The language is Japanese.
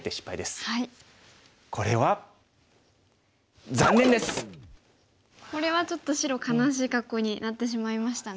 これはちょっと白悲しい格好になってしまいましたね。